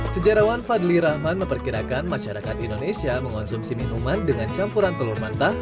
sejarawan fadli rahman memperkirakan masyarakat indonesia mengonsumsi minuman dengan campuran telur mentah